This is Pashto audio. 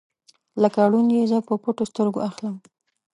لکه ړوند یې زه په پټو سترګو اخلم